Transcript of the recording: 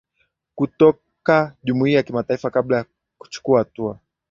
kutoka jumuiya ya kimataifa kabla kuchukua hatua